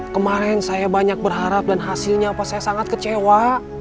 kemarin saya banyak berharap dan hasilnya saya sangat kecewa